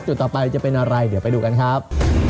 ต่อไปจะเป็นอะไรเดี๋ยวไปดูกันครับ